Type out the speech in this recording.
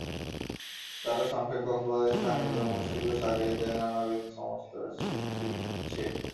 তারা সংখ্যায় কক্সবাজারের স্থানীয় জনগোষ্ঠীকেও ছাড়িয়ে যাওয়ায় নানাবিধ সমস্যার সৃষ্টি হচ্ছে।